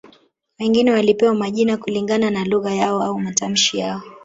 Wengine walipewa majina kulingana na lugha yao au matamshi yao